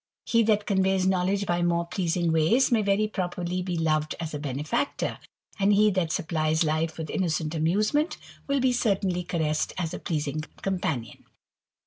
He that conveys knowledge by more pleasing ways, may very properly be loved as a benefactor ; and he that supplies life with innocent amusement, will be certainly caressed as a pleasing companion.